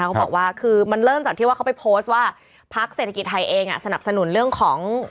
เขาบอกว่าคือมันเริ่มจากที่ว่าเขาไปโพสต์ว่าพักเศรษฐกิจไทยเองสนับสนุนเรื่องของ